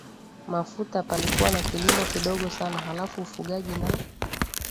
mafuta palikuwa na kilimo kidogo sana halafu ufugaji na